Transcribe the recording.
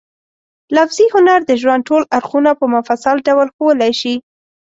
لفظي هنر د ژوند ټول اړخونه په مفصل ډول ښوولای شي.